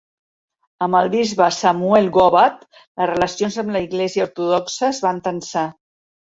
Amb el bisbe Samuel Gobat, les relacions amb l'església ortodoxa es van tensar.